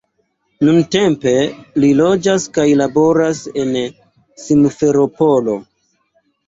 Nuntempe li loĝas kaj laboras en Simferopolo.